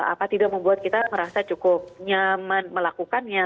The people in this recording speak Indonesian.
apa tidak membuat kita merasa cukup nyaman melakukannya